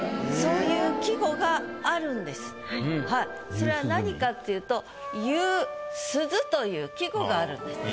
それは何かっていうと「夕涼」という季語があるんです。